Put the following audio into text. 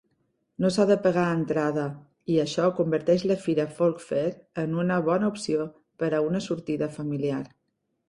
No s'ha de pagar entrada i això converteix la fira Folk Fair en una bona opció per a una sortida familiar.